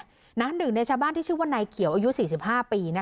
หนึ่งในชาวบ้านที่ชื่อว่านายเขียวอายุ๔๕ปี